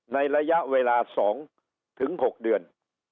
ในระยะเวลา๒๖เดือน